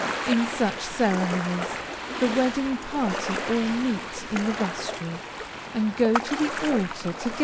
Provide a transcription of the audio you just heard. In such ceremonies the wedding party all meet in the vestry, and go to the altar together.